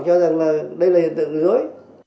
cho rằng là đây là hiện tượng dối